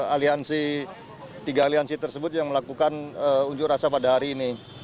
aliansi tiga aliansi tersebut yang melakukan unjuk rasa pada hari ini